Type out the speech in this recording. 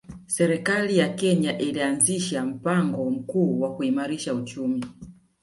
Serikali ya Kenya ilianzisha mpango mkuu wa kuimarisha uchumi